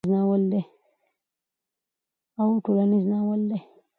او ټولنيز ناول دی